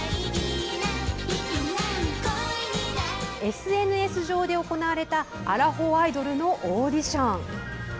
ＳＮＳ上で行われたアラフォーアイドルのオーディション。